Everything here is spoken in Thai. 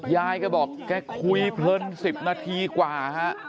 ยายก็บอกแค่คุยเพลิน๑๐นาทีกว่า